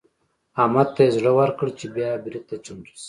احمد ته يې زړه ورکړ چې بيا برید ته چمتو شي.